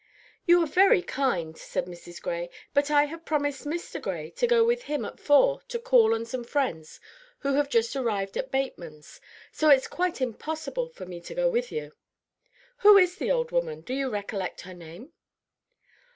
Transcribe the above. "You are very kind," said Mrs. Gray; "but I have promised Mr. Gray to go with him at four to call on some friends who have just arrived at Bateman's, so it's quite impossible for me to go with you. Who is the old woman? Do you recollect her name?"